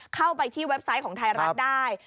เข้าไปที่เว็บไซต์ของไทยรัฐได้